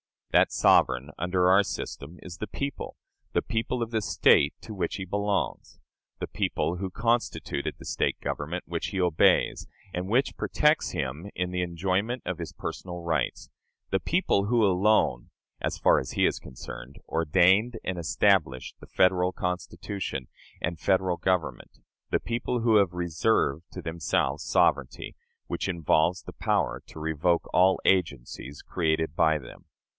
That sovereign, under our system, is the people the people of the State to which he belongs the people who constituted the State government which he obeys, and which protects him in the enjoyment of his personal rights the people who alone (as far as he is concerned) ordained and established the Federal Constitution and Federal Government the people who have reserved to themselves sovereignty, which involves the power to revoke all agencies created by them.